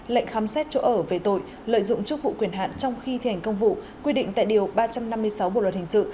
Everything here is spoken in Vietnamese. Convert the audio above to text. lệnh khám xét chỗ ở về tội lợi dụng chức vụ quyền hạn trong khi thi hành công vụ quy định tại điều ba trăm năm mươi sáu bộ luật hình sự